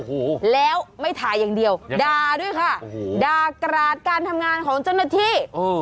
โอ้โหแล้วไม่ถ่ายอย่างเดียวด่าด้วยค่ะโอ้โหด่ากราดการทำงานของเจ้าหน้าที่